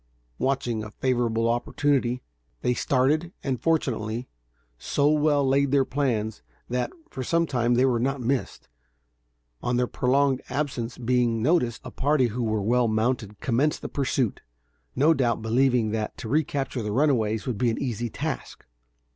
Watching a favorable opportunity, they started, and fortunately, so well laid their plans, that, for some time, they were not missed. On their prolonged absence being noticed, a party who were well mounted commenced the pursuit, no doubt believing that, to recapture the runaways would be an easy task.